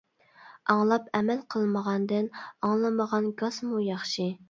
ئاڭلاپ ئەمەل قىلمىغاندىن، ئاڭلىمىغان گاسمۇ ياخشى.